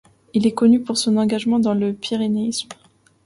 Il est connu pour son engagement dans le pyrénéisme.